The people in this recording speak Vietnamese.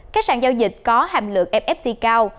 các sàn giao dịch có hàm lượng mft cao